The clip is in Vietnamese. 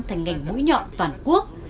thành ngành mũi nhọn toàn quốc